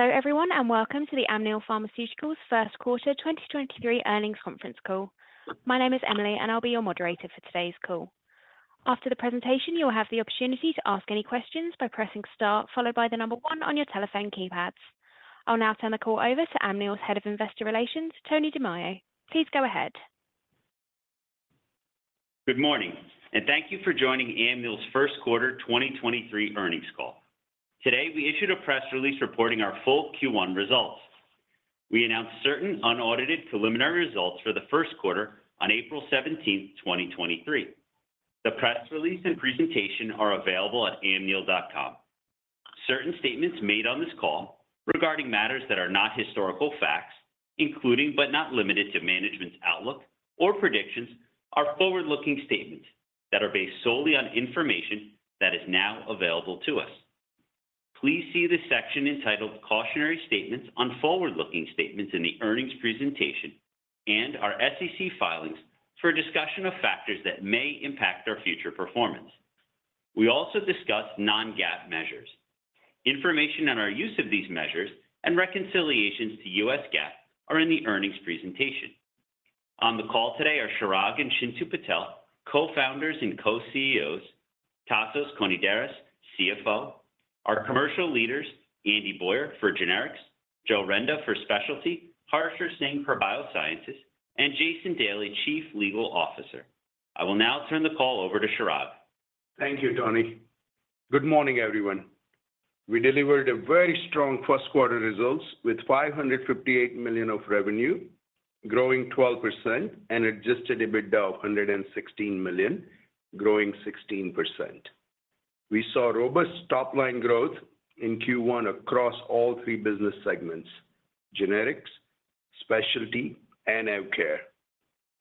Hello, everyone, and welcome to the Amneal Pharmaceuticals first quarter 2023 earnings conference call. My name is Emily, and I'll be your moderator for today's call. After the presentation, you'll have the opportunity to ask any questions by pressing star followed by the number one on your telephone keypads. I'll now turn the call over to Amneal's Head of Investor Relations, Tony DiMeo. Please go ahead. Good morning, thank you for joining Amneal's first quarter 2023 earnings call. Today, we issued a press release reporting our full Q1 results. We announced certain unaudited preliminary results for the first quarter on April 17th, 2023. The press release and presentation are available at amneal.com. Certain statements made on this call regarding matters that are not historical facts, including but not limited to management's outlook or predictions, are forward-looking statements that are based solely on information that is now available to us. Please see the section entitled Cautionary Statements on forward-looking statements in the earnings presentation and our SEC filings for a discussion of factors that may impact our future performance. We also discuss non-GAAP measures. Information on our use of these measures and reconciliations to U.S. GAAP are in the earnings presentation. On the call today are Chirag and Chintu Patel, Co-Founders and Co-CEOs, Tasos Konidaris, CFO, our commercial leaders, Andy Boyer for generics, Joe Renda for specialty, Harsher Singh for biosciences, and Jason Daley, Chief Legal Officer. I will now turn the call over to Chirag. Thank you, Tony. Good morning, everyone. We delivered a very strong first quarter results with $558 million of revenue, growing 12% and Adjusted EBITDA of $116 million, growing 16%. We saw robust top-line growth in Q1 across all three business segments, generics, specialty, and AvKARE,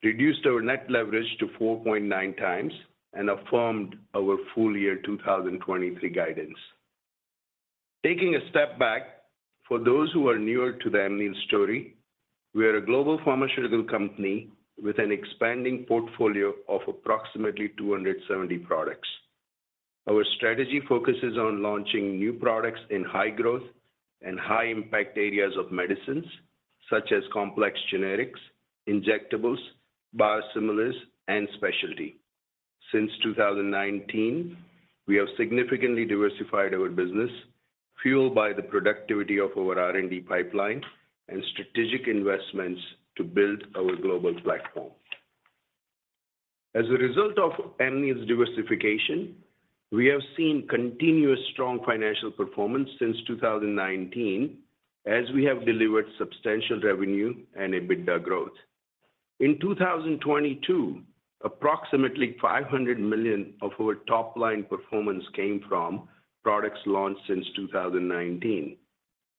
reduced our net leverage to 4.9x and affirmed our full year 2023 guidance. Taking a step back, for those who are newer to the Amneal story, we are a global pharmaceutical company with an expanding portfolio of approximately 270 products. Our strategy focuses on launching new products in high growth and high impact areas of medicines such as complex generics, injectables, biosimilars, and specialty. Since 2019, we have significantly diversified our business, fueled by the productivity of our R&D pipeline and strategic investments to build our global platform. As a result of Amneal's diversification, we have seen continuous strong financial performance since 2019 as we have delivered substantial revenue and EBITDA growth. 2022, approximately $500 million of our top-line performance came from products launched since 2019.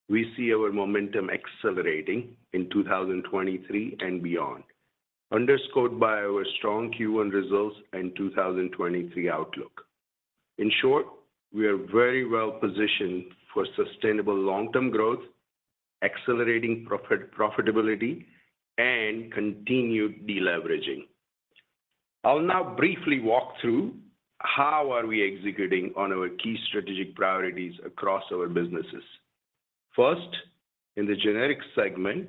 We see our momentum accelerating in 2023 and beyond, underscored by our strong Q1 results and 2023 outlook. In short, we are very well-positioned for sustainable long-term growth, accelerating profitability, and continued deleveraging. I'll now briefly walk through how are we executing on our key strategic priorities across our businesses. First, in the generics segment,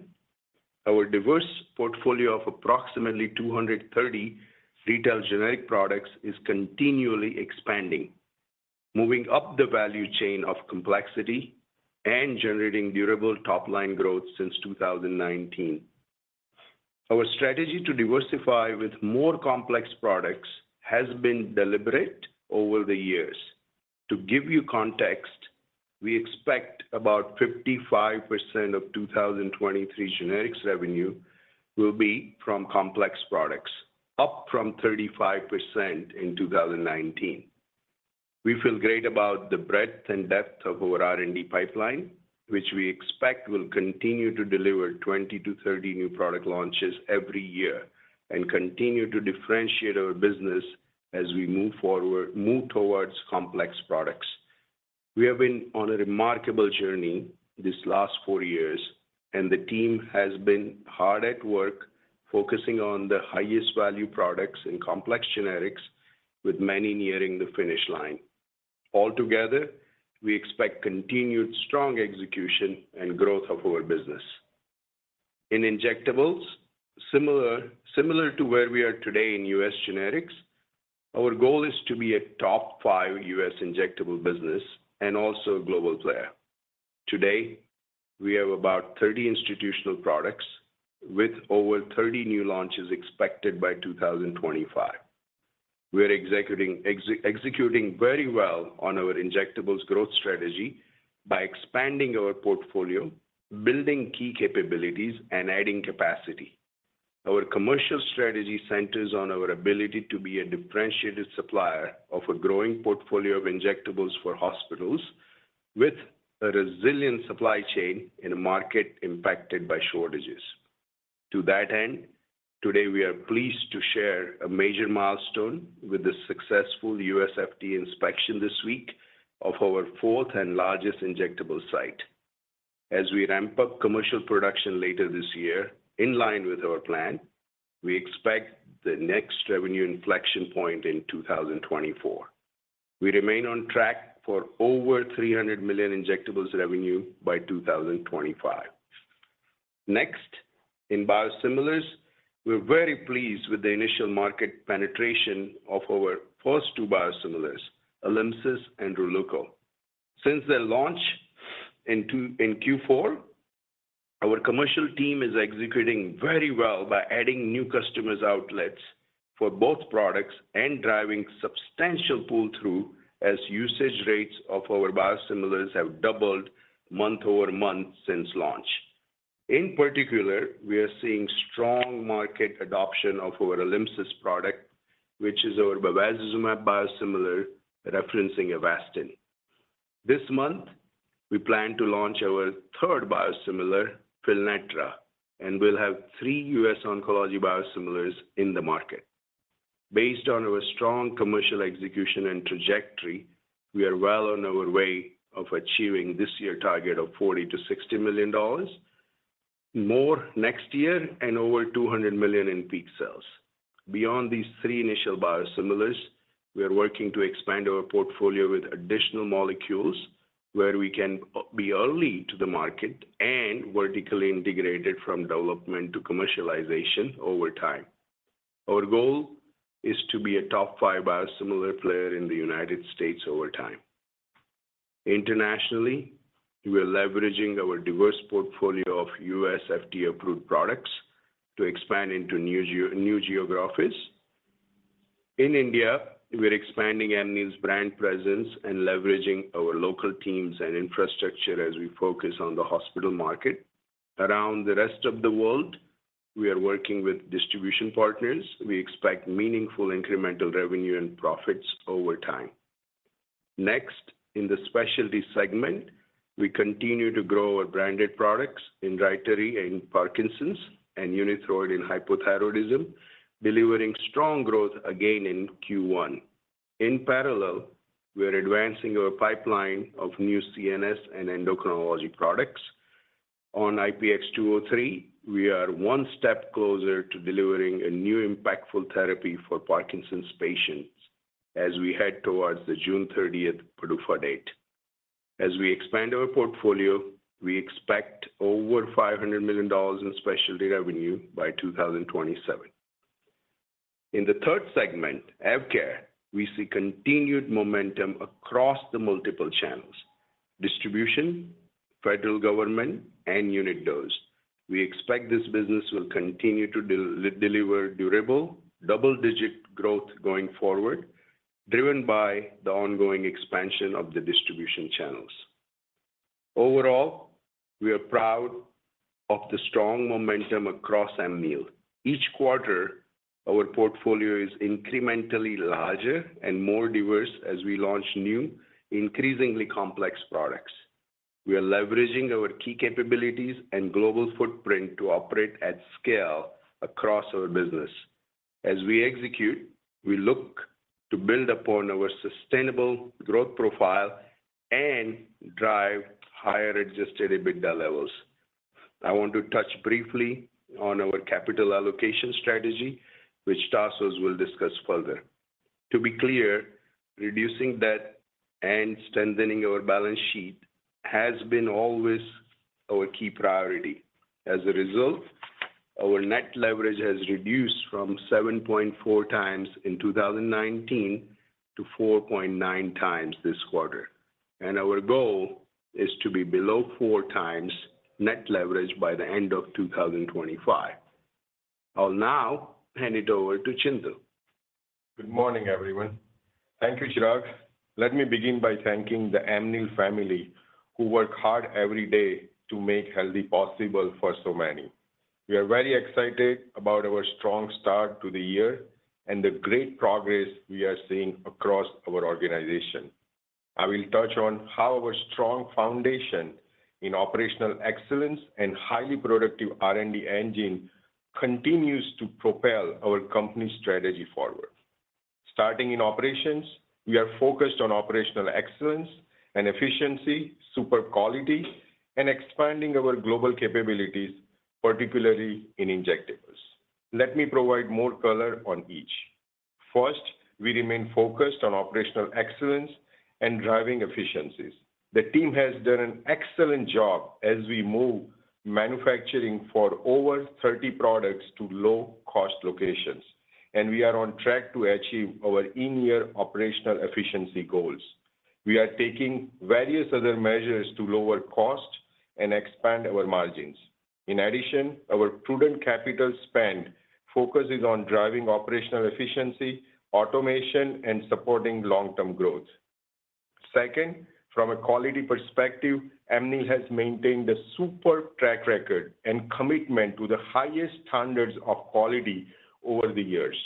our diverse portfolio of approximately 230 retail generic products is continually expanding, moving up the value chain of complexity and generating durable top-line growth since 2019. Our strategy to diversify with more complex products has been deliberate over the years. To give you context, we expect about 55% of 2023 generics revenue will be from complex products, up from 35% in 2019. We feel great about the breadth and depth of our R&D pipeline, which we expect will continue to deliver 20-30 new product launches every year and continue to differentiate our business as we move towards complex products. We have been on a remarkable journey these last four years, and the team has been hard at work focusing on the highest value products in complex generics with many nearing the finish line. Altogether, we expect continued strong execution and growth of our business. In injectables, similar to where we are today in U.S. generics, our goal is to be a top five U.S. injectable business and also a global player. Today, we have about 30 institutional products with over 30 new launches expected by 2025. We are executing very well on our injectables growth strategy by expanding our portfolio, building key capabilities, and adding capacity. Our commercial strategy centers on our ability to be a differentiated supplier of a growing portfolio of injectables for hospitals with a resilient supply chain in a market impacted by shortages. To that end, today we are pleased to share a major milestone with the successful U.S. FDA inspection this week of our fourth and largest injectable site. As we ramp up commercial production later this year in line with our plan, we expect the next revenue inflection point in 2024. We remain on track for over $300 million injectables revenue by 2025. Next, in biosimilars, we're very pleased with the initial market penetration of our first two biosimilars, Alymsys and RELEUKO. Since their launch in Q4, our commercial team is executing very well by adding new customers outlets for both products and driving substantial pull-through as usage rates of our biosimilars have doubled month-over-month since launch. In particular, we are seeing strong market adoption of our Alymsys product, which is our bevacizumab biosimilar referencing Avastin. This month, we plan to launch our third biosimilar, Fylnetra, and we'll have three U.S. oncology biosimilars in the market. Based on our strong commercial execution and trajectory, we are well on our way of achieving this year target of $40 million-$60 million, more next year and over $200 million in peak sales. Beyond these three initial biosimilars, we are working to expand our portfolio with additional molecules where we can be early to the market and vertically integrated from development to commercialization over time. Our goal is to be a top five biosimilar player in the United States over time. Internationally, we are leveraging our diverse portfolio of U.S. FDA-approved products to expand into new geographies. In India, we're expanding Amneal's brand presence and leveraging our local teams and infrastructure as we focus on the hospital market. Around the rest of the world, we are working with distribution partners. We expect meaningful incremental revenue and profits over time. Next, in the specialty segment, we continue to grow our branded products in Rytary and Parkinson's and Unithroid in hypothyroidism, delivering strong growth again in Q1. In parallel, we are advancing our pipeline of new CNS and endocrinology products. On IPX203, we are one step closer to delivering a new impactful therapy for Parkinson's patients as we head towards the June 30th PDUFA date. As we expand our portfolio, we expect over $500 million in specialty revenue by 2027. In the third segment, AvKARE, we see continued momentum across the multiple channels: distribution, federal government, and unit dose. We expect this business will continue to deliver durable double-digit growth going forward, driven by the ongoing expansion of the distribution channels. Overall, we are proud of the strong momentum across Amneal. Each quarter, our portfolio is incrementally larger and more diverse as we launch new, increasingly complex products. We are leveraging our key capabilities and global footprint to operate at scale across our business. As we execute, we look to build upon our sustainable growth profile and drive higher Adjusted EBITDA levels. I want to touch briefly on our capital allocation strategy, which Tasos will discuss further. To be clear, reducing debt and strengthening our balance sheet has been always our key priority. As a result, our net leverage has reduced from 7.4x in 2019 to 4.9x this quarter. Our goal is to be below 4x net leverage by the end of 2025. I'll now hand it over to Chintu. Good morning, everyone. Thank you, Chirag. Let me begin by thanking the Amneal family who work hard every day to make healthy possible for so many. We are very excited about our strong start to the year and the great progress we are seeing across our organization. I will touch on how our strong foundation in operational excellence and highly productive R&D engine continues to propel our company strategy forward. Starting in operations, we are focused on operational excellence and efficiency, super quality, and expanding our global capabilities, particularly in injectables. Let me provide more color on each. First, we remain focused on operational excellence and driving efficiencies. The team has done an excellent job as we move manufacturing for over 30 products to low-cost locations, and we are on track to achieve our in-year operational efficiency goals. We are taking various other measures to lower cost and expand our margins. In addition, our prudent capital spend focuses on driving operational efficiency, automation, and supporting long-term growth. Second, from a quality perspective, Amneal has maintained a superb track record and commitment to the highest standards of quality over the years.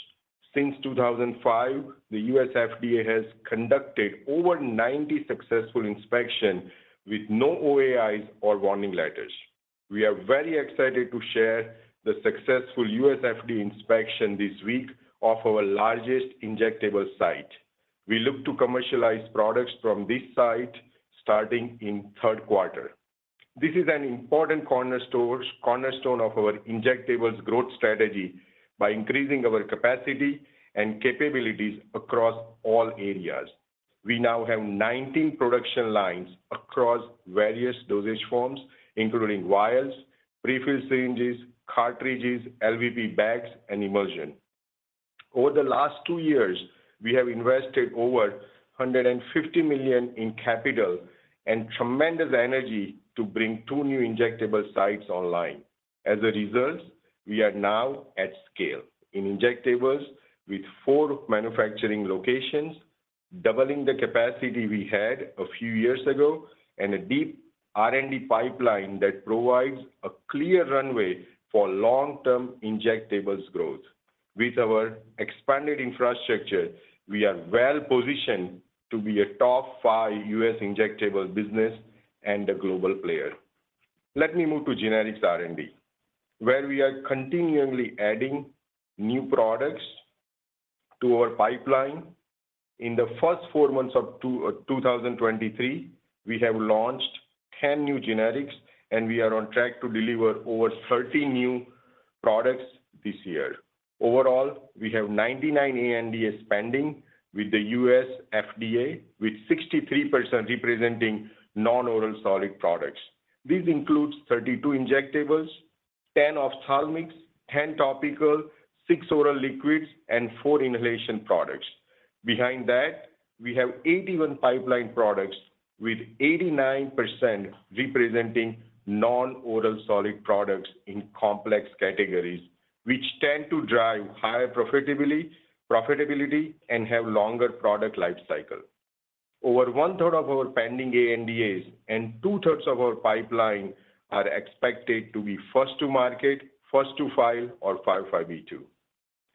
Since 2005, the U.S. FDA has conducted over 90 successful inspection with no OAIs or warning letters. We are very excited to share the successful U.S. FDA inspection this week of our largest injectable site. We look to commercialize products from this site starting in third quarter. This is an important cornerstone of our injectables growth strategy by increasing our capacity and capabilities across all areas. We now have 19 production lines across various dosage forms, including vials, prefilled syringes, cartridges, LVP bags, and emulsion. Over the last two years, we have invested over $150 million in capital and tremendous energy to bring two new injectable sites online. As a result, we are now at scale in injectables with four manufacturing locations, doubling the capacity we had a few years ago and a deep R&D pipeline that provides a clear runway for long-term injectables growth. With our expanded infrastructure, we are well-positioned to be a top five U.S. injectable business and a global player. Let me move to generics R&D, where we are continually adding new products to our pipeline. In the first four months of 2023, we have launched 10 new generics, and we are on track to deliver over 30 new products this year. Overall, we have 99 ANDAs pending with the U.S. FDA, with 63% representing non-oral solid products. This includes 32 injectables, 10 ophthalmics, 10 topical, six oral liquids, and four inhalation products. Behind that, we have 81 pipeline products with 89% representing non-oral solid products in complex categories, which tend to drive higher profitability and have longer product life cycle. Over 1/3 of our pending ANDAs and 2/3 of our pipeline are expected to be first to market, first to file, or 505(b)(2).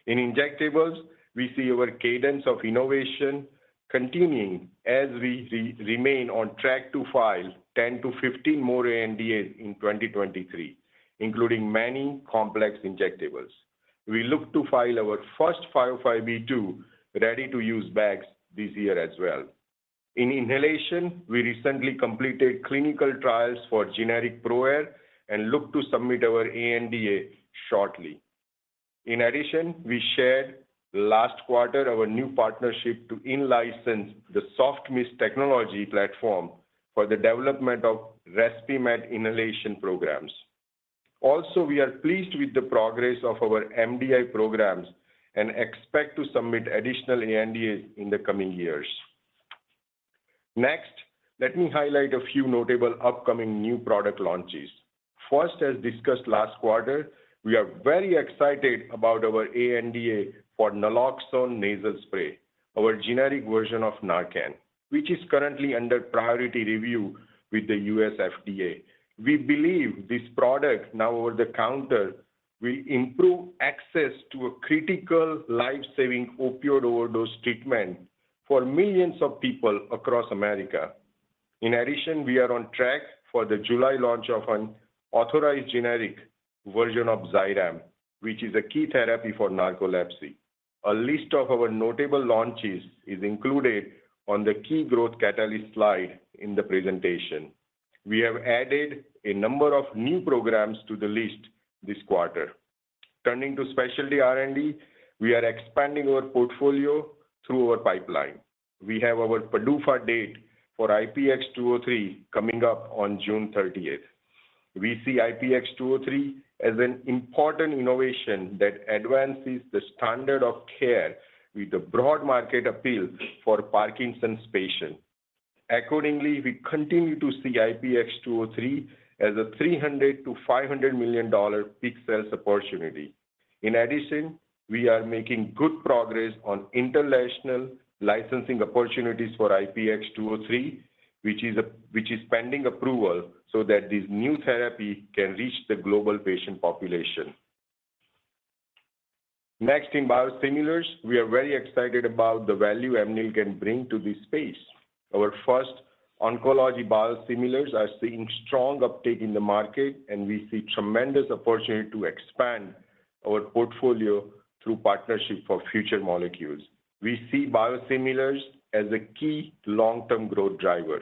In injectables, we see our cadence of innovation continuing as we remain on track to file 10-15 more ANDAs in 2023, including many complex injectables. We look to file our first 505(b)(2) ready-to-use bags this year as well. In inhalation, we recently completed clinical trials for generic ProAir and look to submit our ANDA shortly. In addition, we shared last quarter our new partnership to in-license the Soft Mist technology platform for the development of Respimat inhalation programs. We are pleased with the progress of our MDI programs and expect to submit additional ANDAs in the coming years. Let me highlight a few notable upcoming new product launches. As discussed last quarter, we are very excited about our ANDA for naloxone nasal spray, our generic version of Narcan, which is currently under priority review with the U.S. FDA. We believe this product now over the counter will improve access to a critical life-saving opioid overdose treatment for millions of people across America. We are on track for the July launch of an authorized generic version of Xyrem, which is a key therapy for narcolepsy. A list of our notable launches is included on the key growth catalyst slide in the presentation. We have added a number of new programs to the list this quarter. Turning to specialty R&D, we are expanding our portfolio through our pipeline. We have our PDUFA date for IPX203 coming up on June 30th. We see IPX203 as an important innovation that advances the standard of care with a broad market appeal for Parkinson's patients. We continue to see IPX203 as a $300 million-$500 million peak sales opportunity. In addition, we are making good progress on international licensing opportunities for IPX203, which is pending approval so that this new therapy can reach the global patient population. Next, in biosimilars, we are very excited about the value Amneal can bring to this space. Our first oncology biosimilars are seeing strong uptake in the market, and we see tremendous opportunity to expand our portfolio through partnership for future molecules. We see biosimilars as a key long-term growth driver.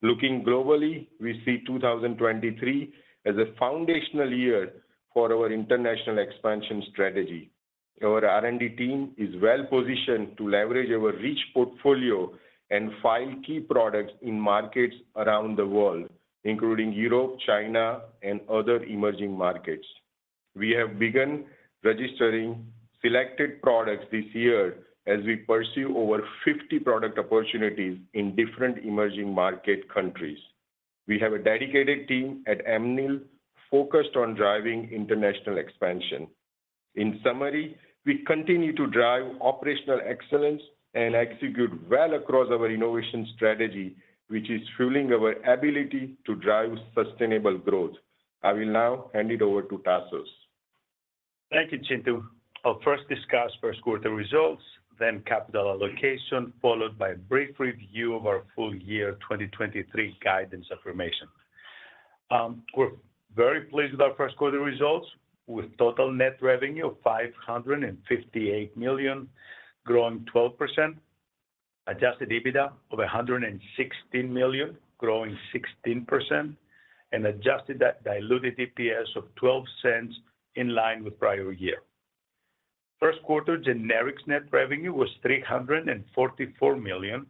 Looking globally, we see 2023 as a foundational year for our international expansion strategy. Our R&D team is well-positioned to leverage our rich portfolio and file key products in markets around the world, including Europe, China, and other emerging markets. We have begun registering selected products this year as we pursue over 50 product opportunities in different emerging market countries. We have a dedicated team at Amneal focused on driving international expansion. In summary, we continue to drive operational excellence and execute well across our innovation strategy, which is fueling our ability to drive sustainable growth. I will now hand it over to Tassos. Thank you, Chintu. I'll first discuss first quarter results, then capital allocation, followed by a brief review of our full year 2023 guidance affirmation. We're very pleased with our first quarter results, with total net revenue of $558 million, growing 12%. Adjusted EBITDA of $116 million, growing 16% and Adjusted Diluted EPS of $0.12 in line with prior year. First quarter generics net revenue was $344 million,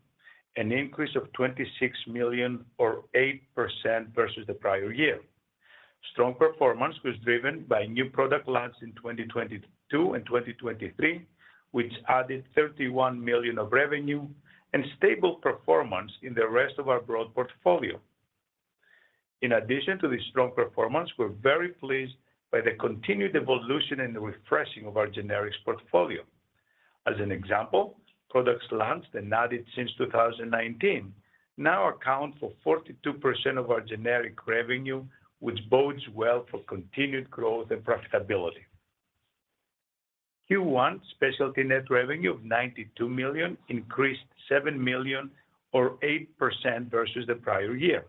an increase of $26 million or 8% versus the prior year. Strong performance was driven by new product launch in 2022 and 2023, which added $31 million of revenue and stable performance in the rest of our broad portfolio. In addition to the strong performance, we're very pleased by the continued evolution and the refreshing of our generics portfolio. As an example, products launched and added since 2019 now account for 42% of our generic revenue, which bodes well for continued growth and profitability. Q1 specialty net revenue of $92 million increased $7 million or 8% versus the prior year,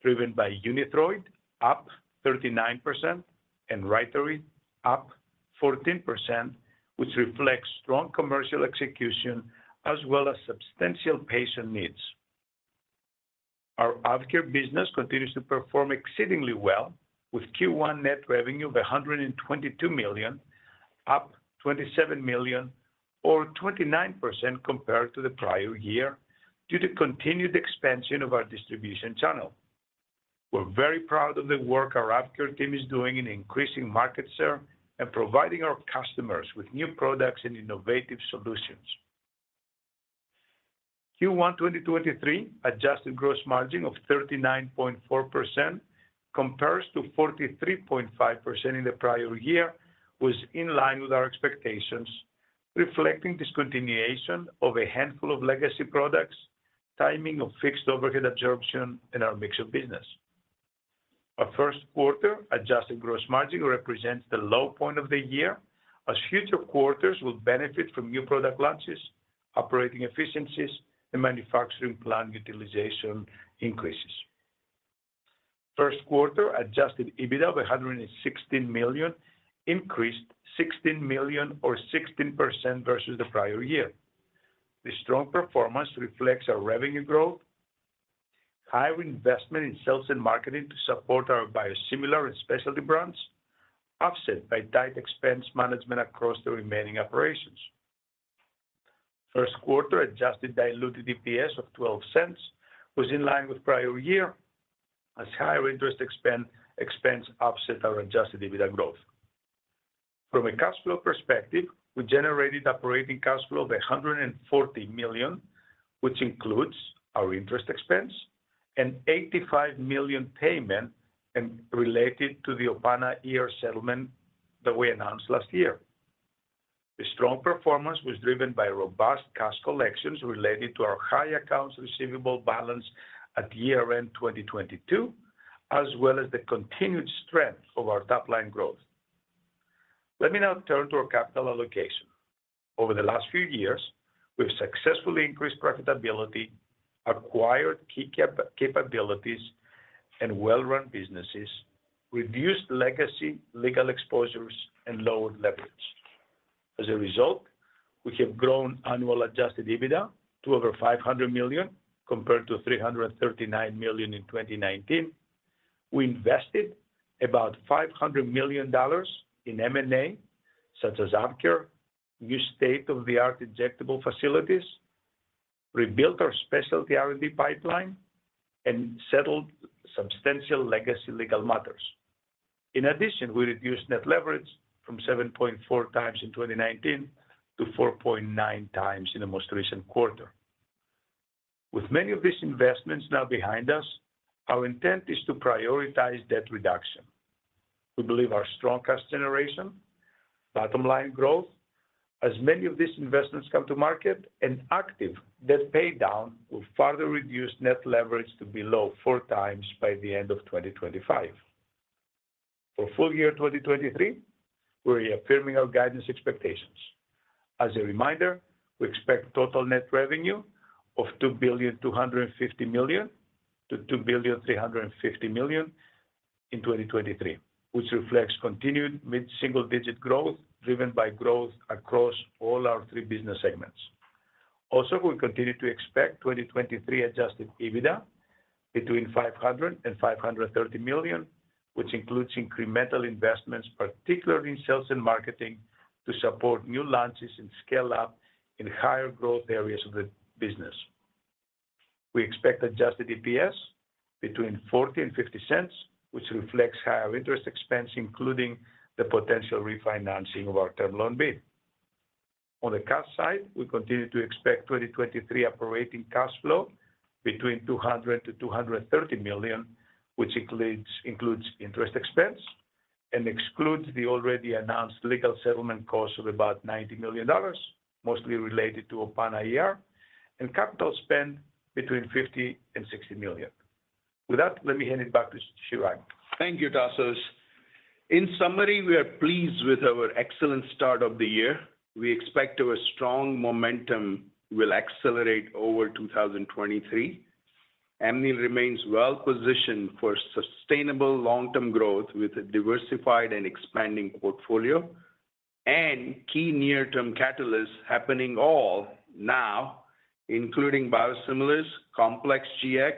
driven by Unithroid up 39% and Rytary up 14%, which reflects strong commercial execution as well as substantial patient needs. Our AvKARE business continues to perform exceedingly well, with Q1 net revenue of $122 million, up $27 million or 29% compared to the prior year, due to continued expansion of our distribution channel. We're very proud of the work our AvKARE team is doing in increasing market share and providing our customers with new products and innovative solutions. Q1 2023 adjusted gross margin of 39.4% compares to 43.5% in the prior year, was in line with our expectations, reflecting discontinuation of a handful of legacy products, timing of fixed overhead absorption in our mix of business. Our first quarter adjusted gross margin represents the low point of the year as future quarters will benefit from new product launches, operating efficiencies and manufacturing plan utilization increases. First quarter Adjusted EBITDA of $116 million increased $16 million or 16% versus the prior year. The strong performance reflects our revenue growth, higher investment in sales and marketing to support our biosimilar and specialty brands, offset by tight expense management across the remaining operations. First quarter Adjusted Diluted EPS of $0.12 was in line with prior year as higher interest expense offset our Adjusted EBITDA growth. From a cash flow perspective, we generated operating cash flow of $140 million, which includes our interest expense and $85 million payment and related to the Opana IR settlement that we announced last year. The strong performance was driven by robust cash collections related to our high accounts receivable balance at year-end 2022, as well as the continued strength of our top line growth. Let me now turn to our capital allocation. Over the last few years, we've successfully increased profitability, acquired key capabilities and well-run businesses, reduced legacy legal exposures and lowered leverage. As a result, we have grown annual Adjusted EBITDA to over $500 million, compared to $339 million in 2019. We invested about $500 million in M&A, such as AvKARE, new state-of-the-art injectable facilities, rebuilt our specialty R&D pipeline and settled substantial legacy legal matters. We reduced net leverage from 7.4x in 2019 to 4.9x in the most recent quarter. With many of these investments now behind us, our intent is to prioritize debt reduction. We believe our strong cash generation, bottom line growth as many of these investments come to market and active debt paydown will further reduce net leverage to below 4x by the end of 2025. For full year 2023, we're reaffirming our guidance expectations. As a reminder, we expect total net revenue of $2.25 billion-$2.35 billion in 2023, which reflects continued mid-single-digit growth driven by growth across all our three business segments. We continue to expect 2023 Adjusted EBITDA between $500 million-$530 million, which includes incremental investments, particularly in sales and marketing, to support new launches and scale up in higher growth areas of the business. We expect Adjusted EPS between $0.40-$0.50, which reflects higher interest expense, including the potential refinancing of our term loan B. On the cash side, we continue to expect 2023 operating cash flow between $200 million-$230 million, which includes interest expense and excludes the already announced legal settlement costs of about $90 million, mostly related to Opana IR, and capital spend between $50 million-$60 million. With that, let me hand it back to Chirag. Thank you, Tassos. In summary, we are pleased with our excellent start of the year. We expect our strong momentum will accelerate over 2023. Amneal remains well-positioned for sustainable long-term growth with a diversified and expanding portfolio and key near-term catalysts happening all now, including biosimilars, complex GX,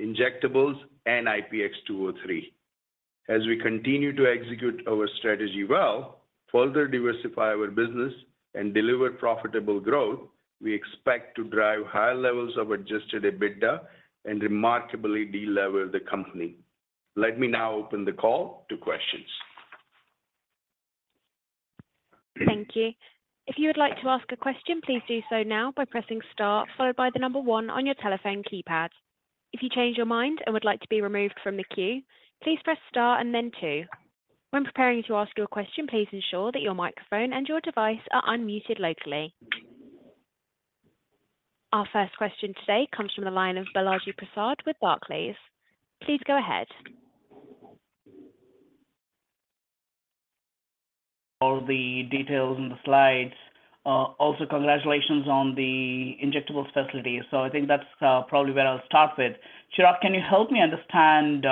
injectables, and IPX203. As we continue to execute our strategy well, further diversify our business, and deliver profitable growth, we expect to drive higher levels of Adjusted EBITDA and remarkably delever the company. Let me now open the call to questions. Thank you. If you would like to ask a question, please do so now by pressing star followed by the one on your telephone keypad. If you change your mind and would like to be removed from the queue, please press star and then two. When preparing to ask your question, please ensure that your microphone and your device are unmuted locally. Our first question today comes from the line of Balaji Prasad with Barclays. Please go ahead. All the details in the slides. Also congratulations on the injectables facility. I think that's probably where I'll start with. Chirag, can you help me understand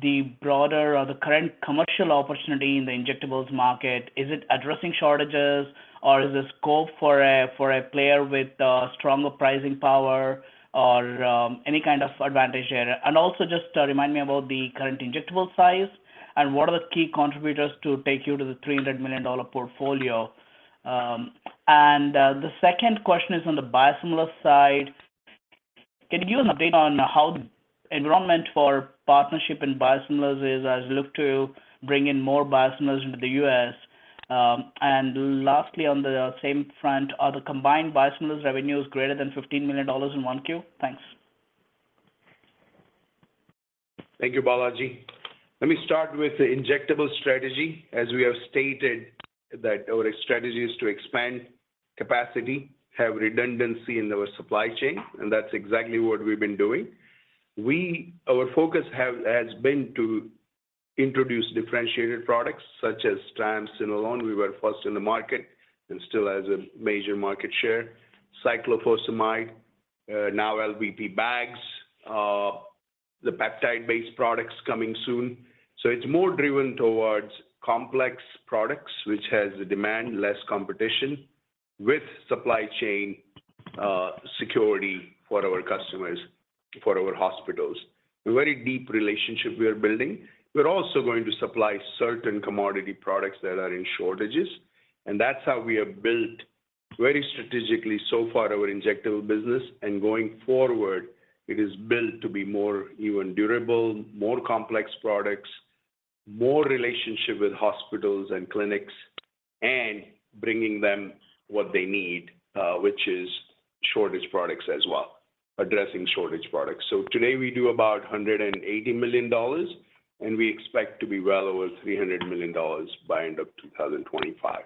the broader or the current commercial opportunity in the injectables market? Is it addressing shortages or is this scope for a player with stronger pricing power or any kind of advantage there? Also just remind me about the current injectable size and what are the key contributors to take you to the $300 million portfolio. The second question is on the biosimilar side. Can you give an update on how enrollment for partnership in biosimilars is as you look to bring in more biosimilars into the U.S.? Lastly on the same front, are the combined biosimilars revenues greater than $15 million in 1Q? Thanks. Thank you, Balaji. Let me start with the injectable strategy. As we have stated that our strategy is to expand capacity, have redundancy in our supply chain, and that's exactly what we've been doing. Our focus has been to introduce differentiated products such as triamcinolone. We were first in the market and still has a major market share. Cyclophosphamide, now LVP bags, the peptide-based products coming soon. It's more driven towards complex products, which has the demand, less competition with supply chain, security for our customers, for our hospitals. A very deep relationship we are building. We're also going to supply certain commodity products that are in shortages, and that's how we have built very strategically so far our injectable business. Going forward, it is built to be more even durable, more complex products, more relationship with hospitals and clinics, and bringing them what they need, which is shortage products as well, addressing shortage products. Today we do about $180 million, and we expect to be well over $300 million by end of 2025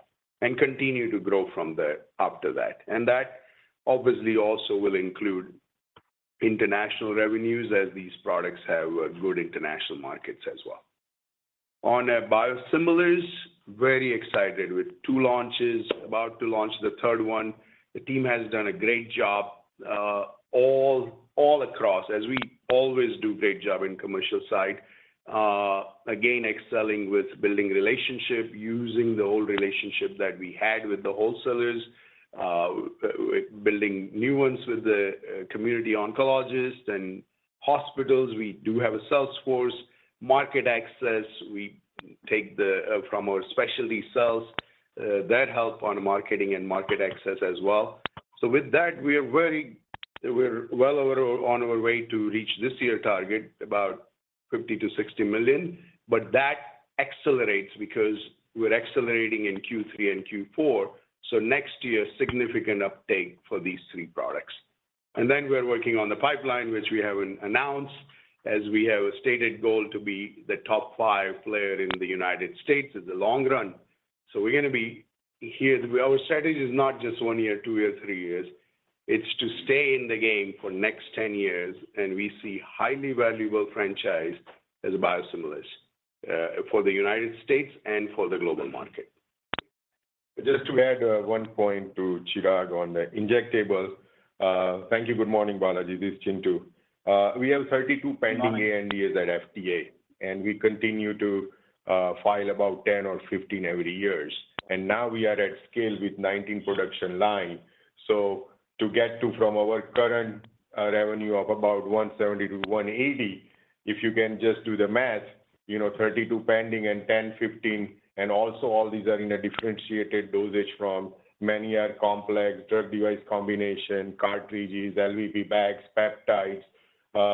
and continue to grow from there after that. That obviously also will include international revenues as these products have good international markets as well. On biosimilars, very excited with two launches, about to launch the third one. The team has done a great job, all across, as we always do great job in commercial side. Again, excelling with building relationship, using the old relationship that we had with the wholesalers, building new ones with the community oncologists and hospitals. We do have a sales force, market access. We take from our specialty sales that help on marketing and market access as well. With that, we're well over on our way to reach this year target about $50 million-$60 million, but that accelerates because we're accelerating in Q3 and Q4. Next year, significant uptake for these three products. We're working on the pipeline, which we haven't announced as we have a stated goal to be the top five player in the United States in the long run. We're gonna be here. Our strategy is not just one year, two year, three years. It's to stay in the game for next 10 years. We see highly valuable franchise as biosimilars for the United States and for the global market. Just to add, one point to Chirag on the injectables. Thank you. Good morning, Balaji, this is Chintu. We have 32 pending ANDAs at FDA, and we continue to file about 10 or 15 every years. Now we are at scale with 19 production line. To get to from our current revenue of about $170-$180, if you can just do the math, you know, 32 pending and 10, 15, and also all these are in a differentiated dosage from many are complex drug device combination, cartridges, LVP bags, peptides.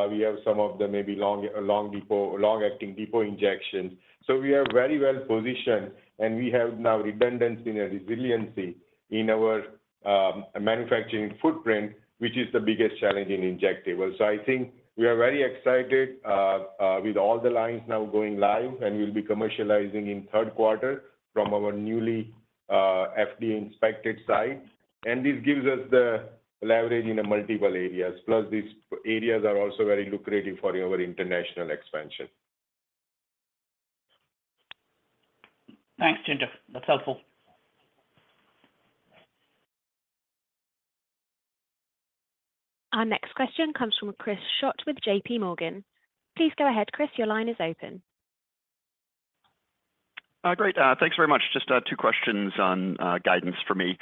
We have some of them may be long depo, long-acting depo injections. We are very well-positioned, and we have now redundancy and resiliency in our manufacturing footprint, which is the biggest challenge in injectables. I think we are very excited with all the lines now going live, and we'll be commercializing in third quarter from our newly FDA-inspected site. This gives us the leverage in a multiple areas. These areas are also very lucrative for our international expansion. Thanks, Chintu. That's helpful. Our next question comes from Chris Schott with JP Morgan. Please go ahead, Chris. Your line is open. Great. Thanks very much. Just two questions on guidance for me.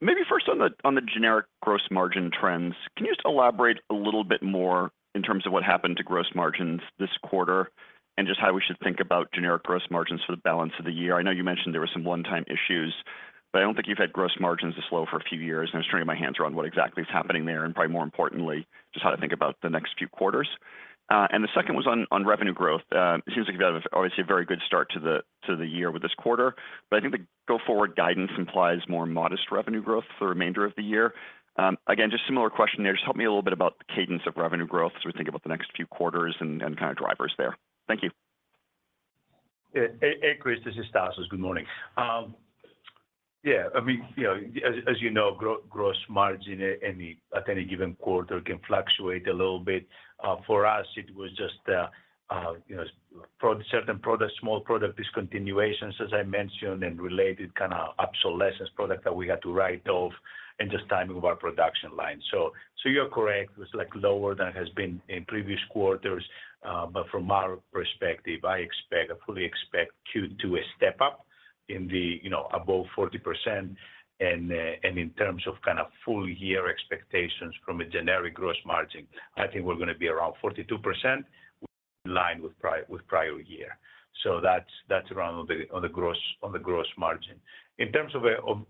Maybe first on the generic gross margin trends. Can you just elaborate a little bit more in terms of what happened to gross margins this quarter, and just how we should think about generic gross margins for the balance of the year? I know you mentioned there were some one-time issues, but I don't think you've had gross margins this low for a few years, and I'm just trying to get my hands around what exactly is happening there and probably more importantly, just how to think about the next few quarters. The second was on revenue growth. It seems like you've had obviously a very good start to the year with this quarter. I think the go-forward guidance implies more modest revenue growth for the remainder of the year. Again, just a similar question there. Just help me a little bit about the cadence of revenue growth as we think about the next few quarters and kind of drivers there. Thank you. Yeah. Chris, this is Tasos. Good morning. Yeah, I mean, you know, as you know, gross margin, at any given quarter can fluctuate a little bit. For us, it was just, you know, certain products, small product discontinuations, as I mentioned, and related kinda obsolescence product that we had to write off and just timing of our production line. You're correct, it was, like, lower than it has been in previous quarters. From our perspective, I fully expect Q2 a step up in the, you know, above 40%. In terms of kind of full year expectations from a generic gross margin, I think we're gonna be around 42% in line with prior year. That's around on the gross margin. In terms of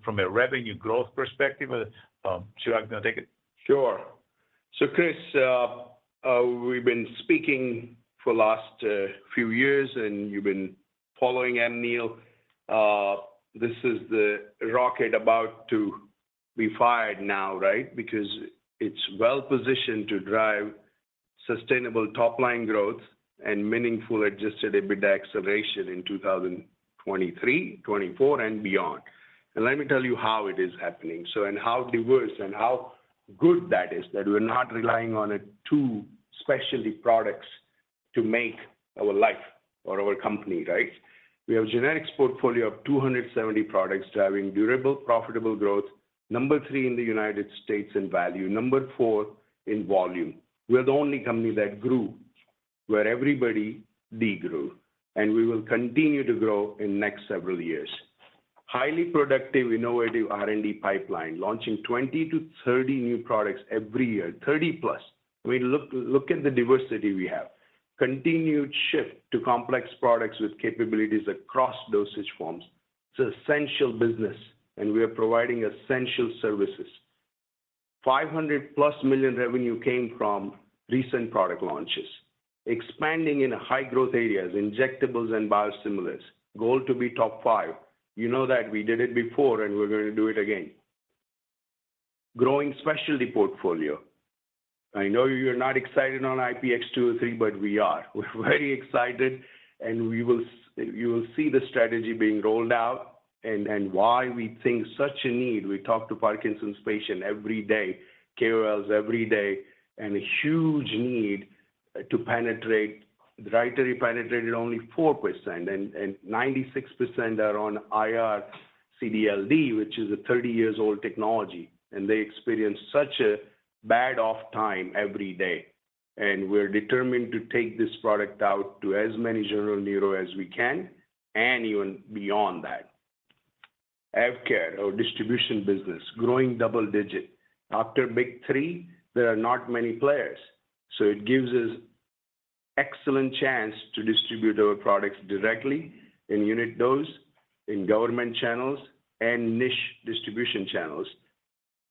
from a revenue growth perspective, Chirag gonna take it? Sure. Chris, we've been speaking for last few years, and you've been following Amneal. This is the rocket about to be fired now, right? Because it's well-positioned to drive sustainable top-line growth and meaningful Adjusted EBITDA acceleration in 2023, 2024, and beyond. Let me tell you how it is happening, so, and how diverse and how good that is that we're not relying on a two specialty products to make our life or our company, right? We have a generics portfolio of 270 products driving durable, profitable growth. Number three in the United States in value, number four in volume. We're the only company that grew where everybody de-grew, we will continue to grow in next several years. Highly productive innovative R&D pipeline, launching 20-30 new products every year. 30+. I mean, look at the diversity we have. Continued shift to complex products with capabilities across dosage forms. It's essential business, and we are providing essential services. $500+ million revenue came from recent product launches. Expanding in high-growth areas, injectables and biosimilars. Goal to be top five. You know that we did it before, and we're gonna do it again. Growing specialty portfolio. I know you're not excited on IPX203, but we are. We're very excited, and you will see the strategy being rolled out and why we think such a need. We talk to Parkinson's patient every day, KOLs every day, and a huge need to penetrate. Rytary penetrated only 4% and 96% are on IR CD/LD, which is a 30 years old technology, and they experience such a bad off time every day. We're determined to take this product out to as many general neuro as we can and even beyond that. AvKARE, our distribution business, growing double-digit. After Big Three, there are not many players, so it gives us excellent chance to distribute our products directly in unit dose, in government channels, and niche distribution channels.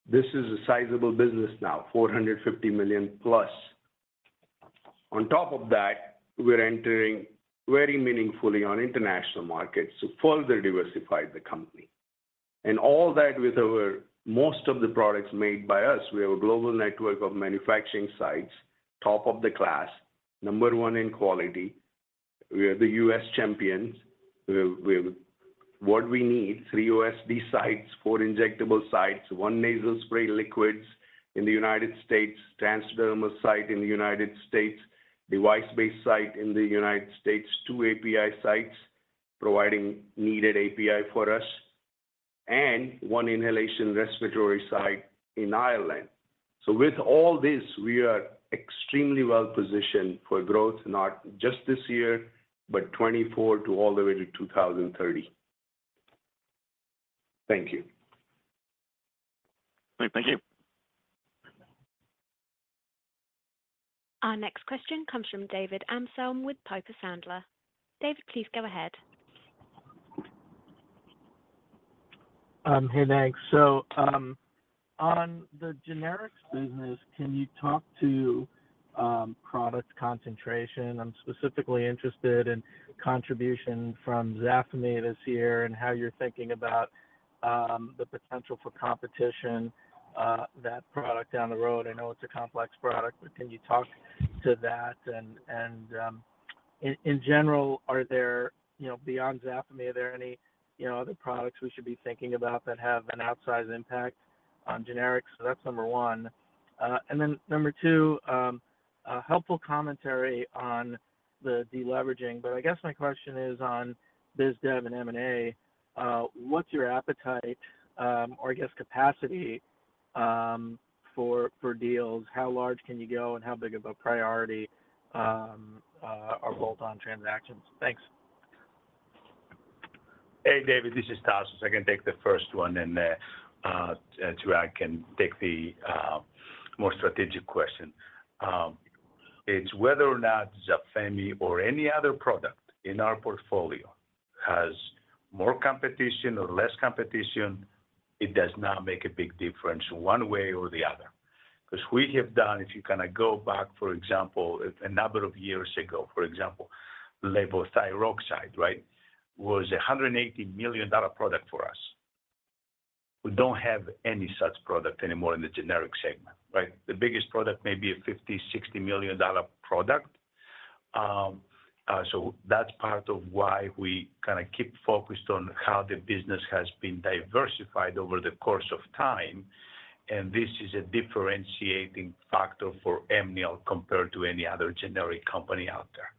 This is a sizable business now, $450+ million. On top of that, we're entering very meaningfully on international markets to further diversify the company. All that with most of the products made by us. We have a global network of manufacturing sites, top of the class, number one in quality. We are the U.S. champions. What we need, three USD sites, four injectable sites, one nasal spray liquids in the United States, transdermal site in the United States, device-based site in the United States, two API sites providing needed API for us, and one inhalation respiratory site in Ireland. With all this, we are extremely well-positioned for growth, not just this year, but 2024 to all the way to 2030. Thank you. Great. Thank you. Our next question comes from David Amsellem with Piper Sandler. David, please go ahead. Hey, thanks. On the generics business, can you talk to product concentration? I'm specifically interested in contribution from XATMEP this year and how you're thinking about the potential for competition that product down the road. I know it's a complex product, but can you talk to that? In general, are there, you know, beyond XATMEP, are there any, you know, other products we should be thinking about that have an outsized impact on generics? That's number one. Number two, a helpful commentary on the de-leveraging, but I guess my question is on biz dev and M&A, what's your appetite, or I guess capacity, for deals? How large can you go, and how big of a priority, are bolt-on transactions? Thanks. Hey, David, this is Tasos. I can take the first one, and Chirag can take the more strategic question. It's whether or not XATMEP or any other product in our portfolio has more competition or less competition, it does not make a big difference one way or the other, because we have done, if you kinda go back, for example, a number of years ago, for example, levothyroxine, right? Was a $180 million product for us. We don't have any such product anymore in the generic segment, right? The biggest product may be a $50 million-$60 million product. That's part of why we kinda keep focused on how the business has been diversified over the course of time, and this is a differentiating factor for Amneal compared to any other generic company out there.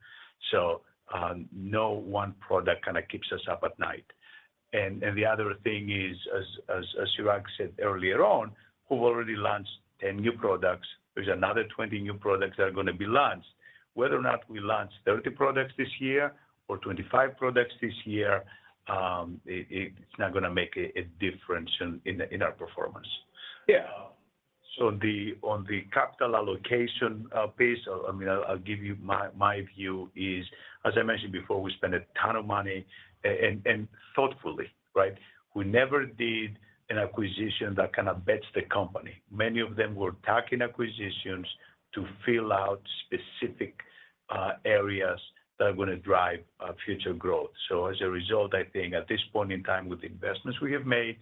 No one product kinda keeps us up at night. The other thing is, as Chirag said earlier on, we've already launched 10 new products. There's another 20 new products that are gonna be launched. Whether or not we launch 30 products this year or 25 products this year, it's not gonna make a difference in our performance. Yeah. On the capital allocation, piece, I mean, I'll give you my view is, as I mentioned before, we spend a ton of money and thoughtfully, right? We never did an acquisition that kind of bets the company. Many of them were tuck-in acquisitions to fill out specific, areas that are gonna drive, future growth. As a result, I think at this point in time with the investments we have made,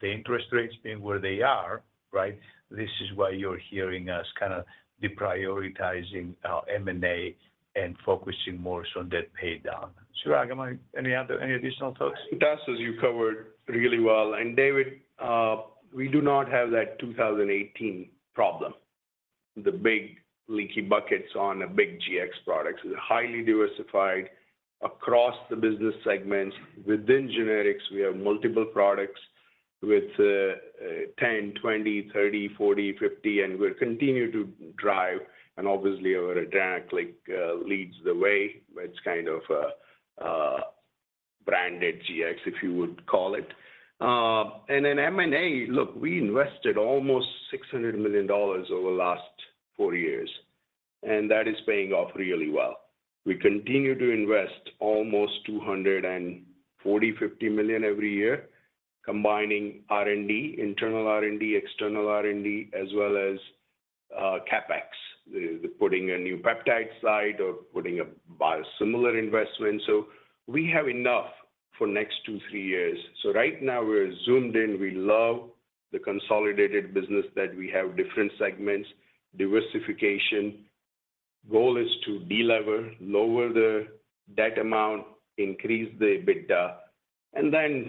the interest rates being where they are, right? This is why you're hearing us kinda deprioritizing, M&A and focusing more so on debt pay down. Chirag, any other additional thoughts? Tasos, you covered really well. David, we do not have that 2018 problem, the big leaky buckets on a big GX products. We're highly diversified across the business segments. Within generics, we have multiple products with 10, 20, 30, 40, 50, and we'll continue to drive. Obviously, our Zafemy, like, leads the way, but it's kind of a branded GX, if you would call it. M&A, look, we invested almost $600 million over the last four years, that is paying off really well. We continue to invest almost $240 million-$250 million every year, combining R&D, internal R&D, external R&D, as well as CapEx, the putting a new peptide side or putting a biosimilar investment. We have enough for next two, three years. Right now we're zoomed in. We love the consolidated business that we have different segments. Diversification goal is to delever, lower the debt amount, increase the EBITDA.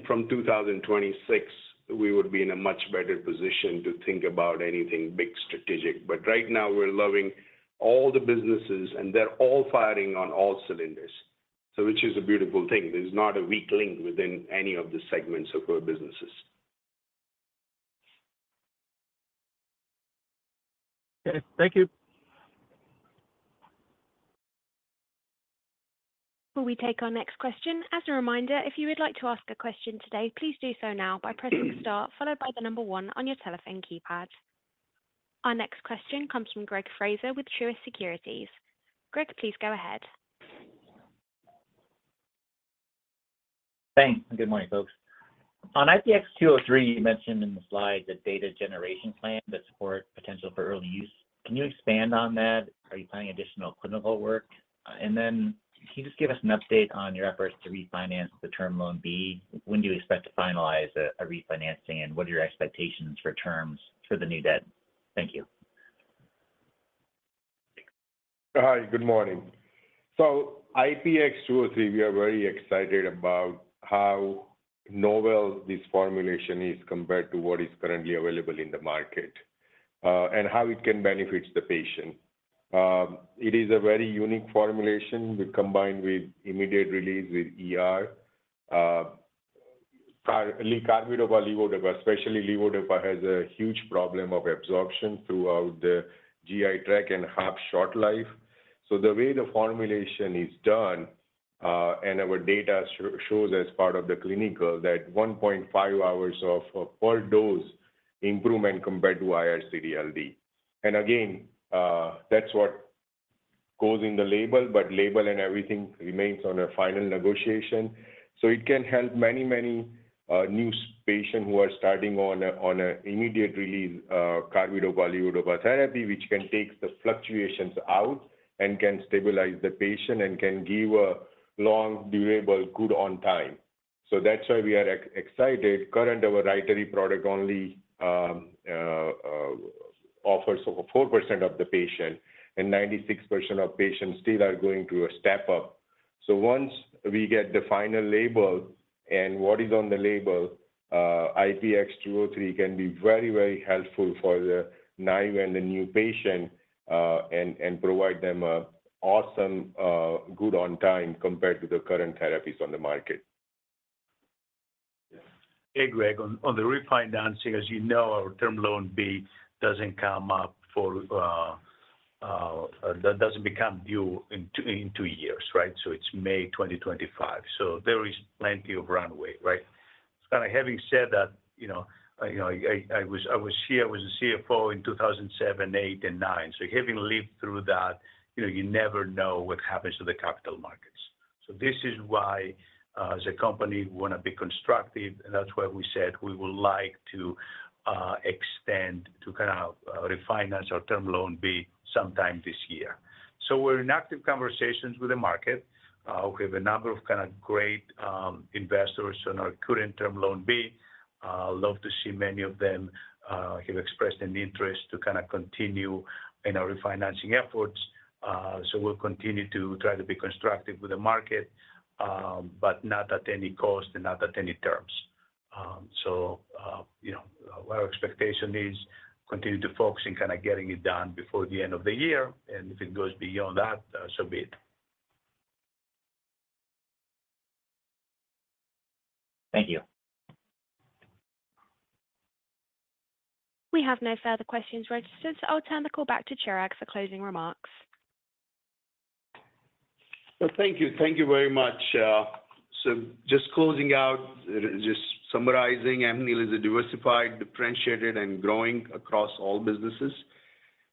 From 2026, we would be in a much better position to think about anything big strategic. Right now we're loving all the businesses, and they're all firing on all cylinders. Which is a beautiful thing. There's not a weak link within any of the segments of our businesses. Okay. Thank you. Will we take our next question? As a reminder, if you would like to ask a question today, please do so now by pressing star followed by one on your telephone keypad. Our next question comes from Greg Fraser with Truist Securities. Greg, please go ahead. Thanks. Good morning, folks. On IPX203, you mentioned in the slide the data generation plan that support potential for early use. Can you expand on that? Are you planning additional clinical work? Can you just give us an update on your efforts to refinance the term loan B? When do you expect to finalize a refinancing, and what are your expectations for terms for the new debt? Thank you. Hi, good morning. IPX203, we are very excited about how novel this formulation is compared to what is currently available in the market, and how it can benefit the patient. It is a very unique formulation. We combined with immediate-release with ER levocarbidopa levodopa, especially levodopa has a huge problem of absorption throughout the GI tract and have short life. The way the formulation is done, and our data shows as part of the clinical that 1.5 hours of per dose improvement compared to IR CD/LD. Again, that's what goes in the label, but label and everything remains under final negotiation. It can help many, many, new patient who are starting on a immediate release, carbidopa/levodopa therapy, which can take the fluctuations out and can stabilize the patient and can give a long durable good on time. That's why we are excited. Current, our Rytary product only offers over 4% of the patient and 96% of patients still are going to a step-up. Once we get the final label and what is on the label, IPX 203 can be very, very helpful for the naive and the new patient and provide them a awesome, good on time compared to the current therapies on the market. Hey, Greg, on the refinancing, as you know, our term loan B doesn't come up for- that doesn't become due in two years, right? It's May 2025. There is plenty of runway, right? Kinda having said that, you know, I was here, I was a CFO in 2007, 2008, and 2009. Having lived through that, you know, you never know what happens to the capital markets. This is why, as a company, we wanna be constructive, and that's why we said we would like to extend to kind of refinance our term loan B sometime this year. We're in active conversations with the market. We have a number of kind of great investors on our current term loan B. Love to see many of them have expressed an interest to kind of continue in our refinancing efforts. We'll continue to try to be constructive with the market, but not at any cost and not at any terms. You know, our expectation is continue to focus in kind of getting it done before the end of the year, and if it goes beyond that, so be it. Thank you. We have no further questions registered. I'll turn the call back to Chirag for closing remarks. Well, thank you. Thank you very much. Just closing out, just summarizing, Amneal is a diversified, differentiated, and growing across all businesses.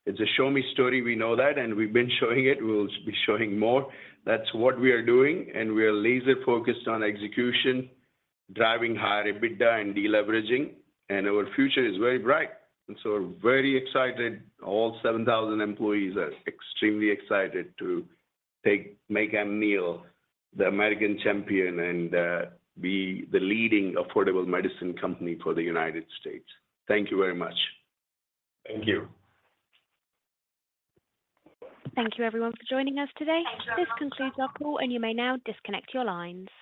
It's a show-me story, we know that, and we've been showing it. We'll be showing more. That's what we are doing, we are laser-focused on execution, driving higher EBITDA and deleveraging, our future is very bright. We're very excited. All 7,000 employees are extremely excited to make Amneal the American champion and be the leading affordable medicine company for the United States. Thank you very much. Thank you. Thank you everyone for joining us today. This concludes our call, and you may now disconnect your lines.